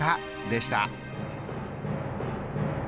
でした。